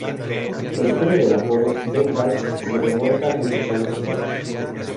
La historia del apodo de "Bengals" se remonta muchos años atrás.